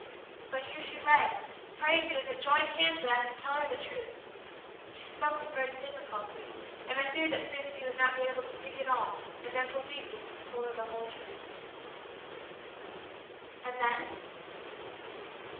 But here she lay praying me with her joined hands that I should tell her the truth. She spoke with great difficulty and I feared that soon she would not be able to speak at all, and therefore weeping, told her the whole truth." "And then?